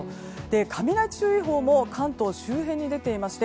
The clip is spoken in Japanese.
雷注意報も関東周辺に出ていまして